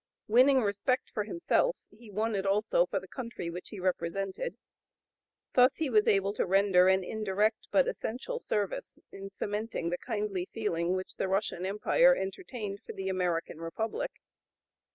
Winning respect for himself he won it also for the country which he represented. Thus he was able to render an indirect but essential service in cementing the kindly feeling which the Russian Empire entertained for the American Republic.